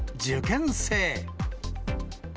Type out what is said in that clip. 受験生。